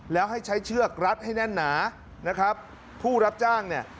แล้วให้ใช้เชือกรัดให้แน่นหนานะครับผู้รับจ้างเนี่ย